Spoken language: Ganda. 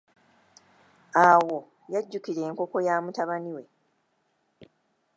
Awo yajjukila enkoko ya mutabani we.